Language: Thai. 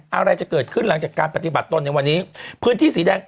อะไรจะเกิดขึ้นหลังจากการปฏิบัติตนในวันนี้พื้นที่สีแดง